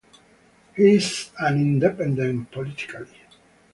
He is an Independent politically.